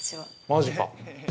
◆マジか。